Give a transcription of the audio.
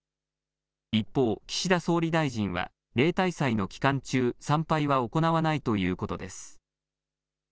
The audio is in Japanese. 一方、岸田総理大臣は例大祭の期間中、参拝は行わないということです。